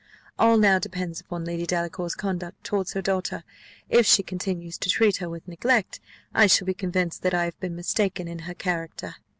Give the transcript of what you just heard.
All now depends upon Lady Delacour's conduct towards her daughter: if she continues to treat her with neglect, I shall be convinced that I have been mistaken in her character."